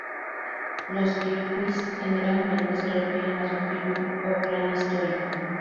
Los kirguís generalmente se refieren a su tribu o clan histórico.